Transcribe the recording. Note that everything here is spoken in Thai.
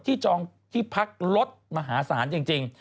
จองที่พักรถมหาศาลจริง